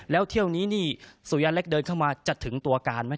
แล้วเที่ยวนี้นี่สุยาเล็กเดินเข้ามาจะถึงตัวการไหม